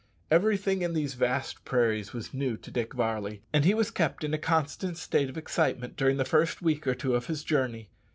Everything in these vast prairies was new to Dick Varley, and he was kept in a constant state of excitement during the first week or two of his journey.